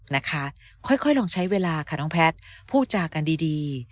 นะคะค่อยลองใช้เวลาค่ะน้องแพทย์พูดจากันดี